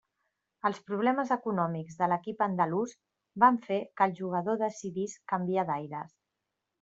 Els problemes econòmics de l'equip andalús van fer que el jugador decidís canviar d'aires.